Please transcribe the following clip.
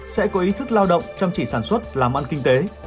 sẽ có ý thức lao động chăm chỉ sản xuất làm ăn kinh tế